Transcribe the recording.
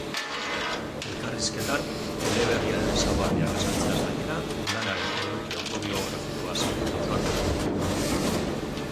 Elkarrizketan, eleberriaren ezaugarriak azaltzeaz gainera, lanaren eduki autobiografikoaz ere hausnartuko du.